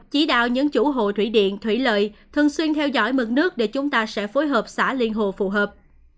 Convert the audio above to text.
chỉ đạo những chủ hồ thủy điện thủy lợi thường xuyên theo dõi mực nước để chúng ta sẽ phối hợp xã liên hồ phù hợp